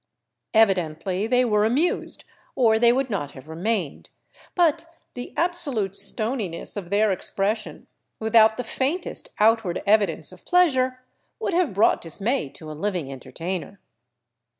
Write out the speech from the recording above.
Evidently they were amused, or they would not have re mained; but the absolute stoniness of their expression, without the faintest outward evidence of pleasure, would have brought dismay to a living entertainer.